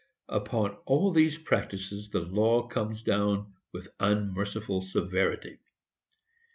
Upon all these practices the law comes down, with unmerciful severity.